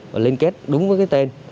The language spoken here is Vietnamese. và liên kết đúng với cái tên